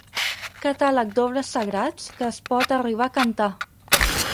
Catàleg d'obres sagrats que es pot arribar a cantar.